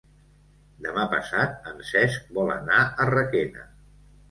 Demà passat en Cesc vol anar a Requena.